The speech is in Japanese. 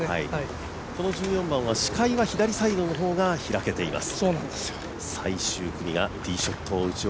この１４番は視界は左サイドの方が開けています。